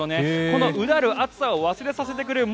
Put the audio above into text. このうだる暑さを忘れさせてくれる。